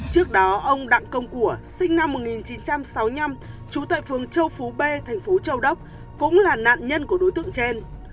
trước đó ông đặng công của sinh năm một nghìn chín trăm sáu mươi năm trú tại phường châu phú b thành phố châu đốc cũng là nạn nhân của đối tượng trên